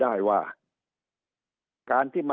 สุดท้ายก็ต้านไม่อยู่